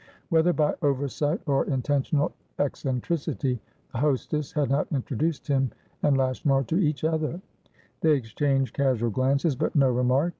Whether by oversight, or intentional eccentricity, the hostess had not introduced him and Lashmar to each other; they exchanged casual glances, but no remark.